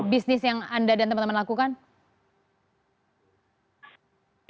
bisnis yang anda dan teman teman lakukan